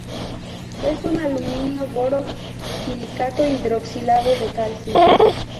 Es un alumino-boro-silicato hidroxilado de calcio.